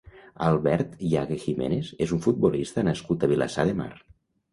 Albert Yagüe Jiménez és un futbolista nascut a Vilassar de Mar.